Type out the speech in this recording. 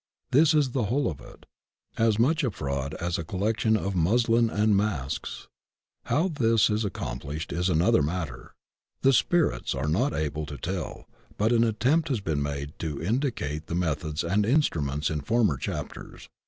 This is the whole of it; as much a fraud as a collection of muslin and masks. How this is ac complished is another matter. The spirits are not able to tell, but an attempt has been made to indicate the methods and instruments in former chapters.